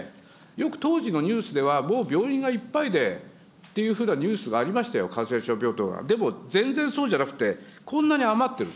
よく当時のニュースでは、もう病院がいっぱいでっていうふうなニュースがありましたよ、感染症病棟が、でも、全然そうじゃなくて、こんなに余ってる。